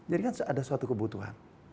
jadi kan ada suatu kebutuhan